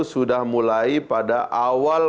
sudah mulai pada awal